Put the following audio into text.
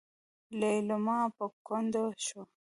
ليلما په ګونډو شوه.